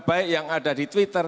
baik yang ada di twitter